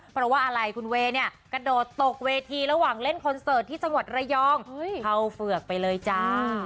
เพราะว่าอะไรคุณเวย์เนี่ยกระโดดตกเวทีระหว่างเล่นคอนเสิร์ตที่จังหวัดระยองเข้าเฝือกไปเลยจ้า